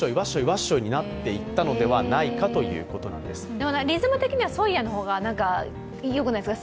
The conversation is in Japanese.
でもリズム的には「ソイヤ」の方がよくないですか？